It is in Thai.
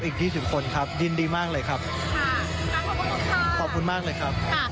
อีก๒๐คนครับยินดีมากเลยครับขอบคุณมากเลยครับ